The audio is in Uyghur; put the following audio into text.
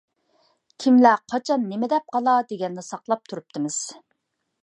كېملەر قاچان نېمە دەپ قالار، دېگەننى ساقلاپ تۇرۇپتىمىز.